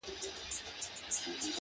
اوس مي د كلي ماسومان ځوروي;